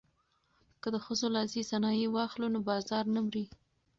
که د ښځو لاسي صنایع واخلو نو بازار نه مري.